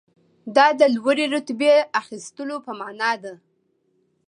دا د لوړې رتبې اخیستلو په معنی ده.